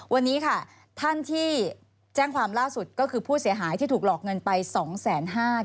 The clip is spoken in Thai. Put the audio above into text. วันนี้ค่ะท่านที่แจ้งความล่าสุดก็คือผู้เสียหายที่ถูกหลอกเงินไป๒๕๐๐บาท